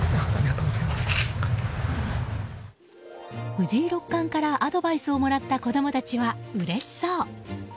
藤井六冠からアドバイスをもらった子供たちはうれしそう。